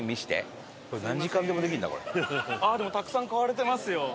でもたくさん買われてますよ。